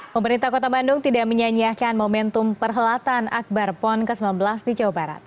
pemerintah kota bandung tidak menyanyiakan momentum perhelatan akbar pon ke sembilan belas di jawa barat